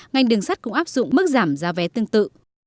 ngành đường sắt cũng áp dụng mức giảm giá vé tương tự